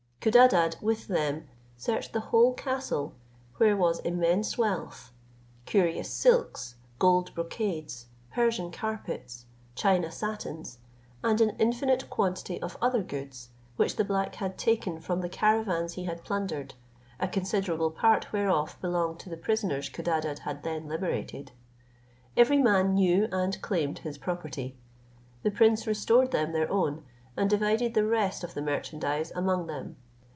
Codadad, with them, searched the whole castle, where was immense wealth; curious silks, gold brocades, Persian carpets, China satins, and an infinite quantity of other goods, which the black had taken from the caravans he had plundered, a considerable part whereof belonged to the prisoners Codadad had then liberated. Every man knew and claimed his property. The prince restored them their own, and divided the rest of the merchandise among them.